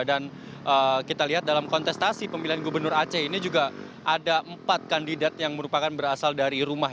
dan kita lihat dalam kontestasi pemilihan gubernur aceh ini juga ada empat kandidat yang merupakan berasal dari rumah